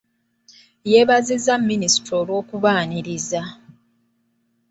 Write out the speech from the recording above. Yeebazizza Minisita olw’okubaaniriza.